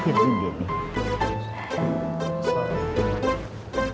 udah terakhir juga nih